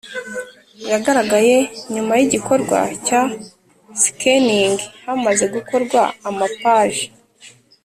yagaragaye nyuma y igikorwa cya Scanning Hamaze gukorwa amapaji